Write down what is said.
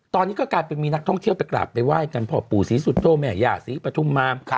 ตอนนี้ก็กลายเป็นมีนักท่องเที่ยวไปกราบไปไหว้กันพ่อปู่ศรีสุโธแม่ย่าศรีปฐุมมา